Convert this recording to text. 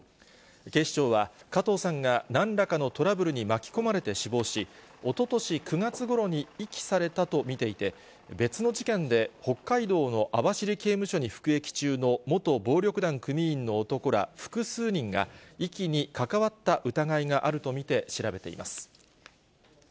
警視庁は、加藤さんがなんらかのトラブルに巻き込まれて死亡し、おととし９月ごろに遺棄されたと見ていて、別の事件で北海道の網走刑務所に服役中の元暴力団組員の男ら複数人が遺棄に関わった疑いがあると見て、調べています。